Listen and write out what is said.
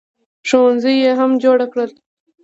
ښوونځي یې هم جوړ کړل.